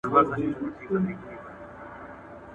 آیا موږ ټولنیز عملونه په دقیق ډول څېړو؟